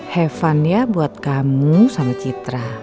have fun ya buat kamu sama citra